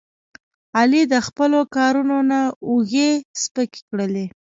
علي د خپلو کارونو نه اوږې سپکې کړلې.